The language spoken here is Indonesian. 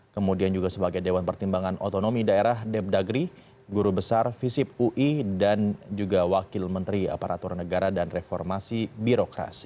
kemudian juga sebagai dewan pertimbangan otonomi daerah deb dagri guru besar visip ui dan juga wakil menteri aparatur negara dan reformasi birokrasi